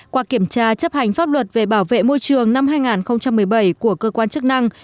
qua kiểm tra chấp hành pháp luật về bảo vệ môi trường năm hai nghìn một mươi bảy của cơ quan chức năng